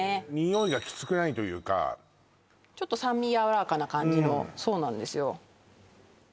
匂いがキツくないというかちょっと酸味やわらかな感じのそうなんですよ